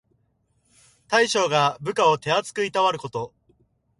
大将が部下を手あつくいたわること。